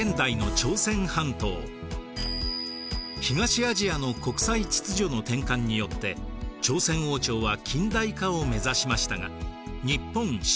東アジアの国際秩序の転換によって朝鮮王朝は近代化を目指しましたが日本清